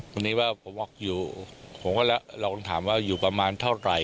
คนนี้ว่าผมบอกอยู่ผมก็แล้วเราต้องถามว่าอยู่ประมาณเท่าไหร่